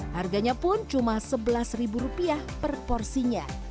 harganya pun cuma sebelas rupiah per porsinya